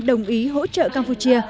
đồng ý hỗ trợ campuchia